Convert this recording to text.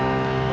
terima kasih bu